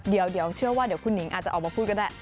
เดี๋ยวเดี๋ยวเชื่อว่าคุณนิ้งอาจจะออกมาพูดก็ได้